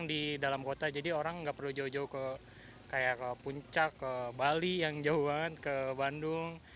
di dalam kota jadi orang nggak perlu jauh jauh ke puncak ke bali yang jauh banget ke bandung